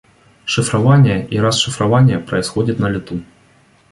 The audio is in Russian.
Шифрование и расшифрование происходит «на лету»